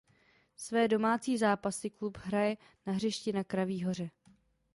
Své domácí zápasy klub hraje na hřišti na Kraví hoře.